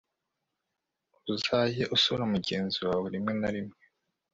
uzajye usura mugenzi wawe rimwe na rimwe